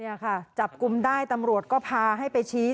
นี่ค่ะจับกลุ่มได้ตำรวจก็พาให้ไปชี้